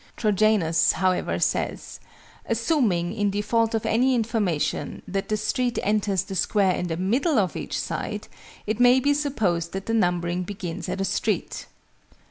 TROJANUS however says "assuming, in default of any information, that the street enters the square in the middle of each side, it may be supposed that the numbering begins at a street."